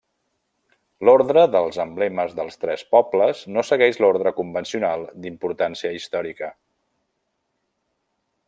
L'ordre dels emblemes dels tres pobles no segueix l'ordre convencional d'importància històrica.